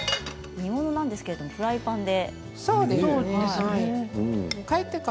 煮物なんですがフライパンで。